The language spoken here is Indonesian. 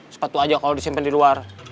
sepatu aja kalau disimpan di luar